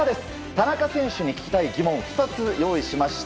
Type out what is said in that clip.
田中選手に聞きたい疑問２つ用意しました。